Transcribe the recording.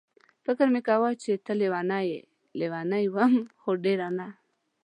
فکر مې کاوه چې ته لېونۍ یې، لېونۍ وم خو ډېره نه.